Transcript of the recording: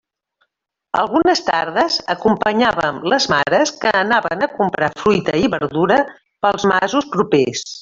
Algunes tardes acompanyàvem les mares que anaven a comprar fruita i verdura pels masos propers.